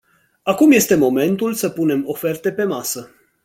Acum este momentul să punem oferte pe masă.